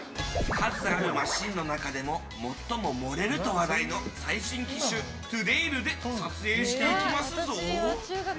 数あるマシンの中でも最も盛れると話題の最新機種、ＴＯＤＡＹＬで撮影していきますぞ。